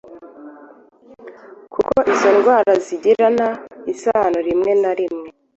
kuko izo ndwara zigirana isano rimwe na rimwe